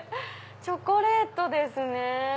チョコレートですね。